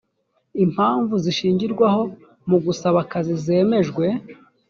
impamvu zishingirwaho mu gusaba akazi zemejwe.